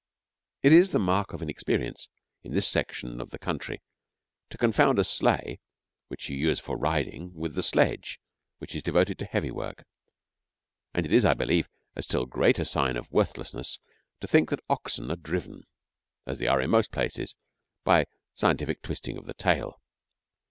It is the mark of inexperience in this section of the country to confound a sleigh which you use for riding with the sledge that is devoted to heavy work; and it is, I believe, a still greater sign of worthlessness to think that oxen are driven, as they are in most places, by scientific twisting of the tail.